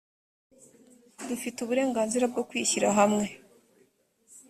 dufite uburenganzira bwo kwishyira hamwe.